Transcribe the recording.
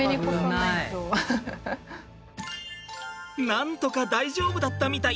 なんとか大丈夫だったみたい。